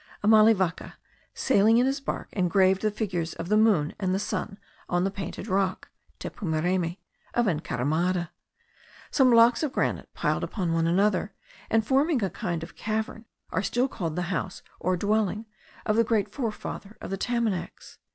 Amalivaca, sailing in his bark, engraved the figures of the moon and the sun on the Painted Rock (Tepumereme) of Encaramada. Some blocks of granite piled upon one another, and forming a kind of cavern, are still called the house or dwelling of the great forefather of the Tamanacs.